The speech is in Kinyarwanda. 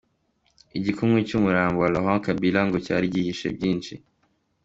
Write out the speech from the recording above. Igikumwe cy’umurambo wa Laurent Kabila ngo cyari gihishe byinshi.